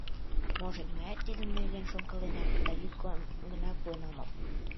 Может, мыят тидын нерген шонкаленам, да йӱкым гына пуэн омыл.